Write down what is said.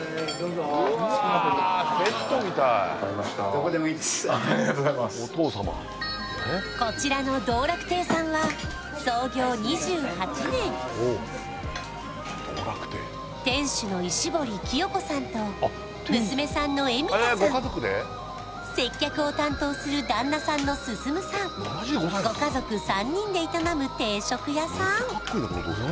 どこでもいいですありがとうございますこちらの道楽庭さんは創業２８年店主の石堀喜代子さんと娘さんの恵美加さん接客を担当する旦那さんの進さんご家族３人で営む定食屋さん